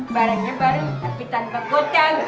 barangnya baru tapi tanpa golkan